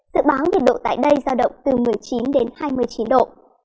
dự báo nhiệt độ tại đây giao động từ một mươi chín đến hai mươi chín độ